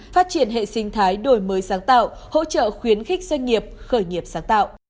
phát triển hệ sinh thái đổi mới sáng tạo hỗ trợ khuyến khích doanh nghiệp khởi nghiệp sáng tạo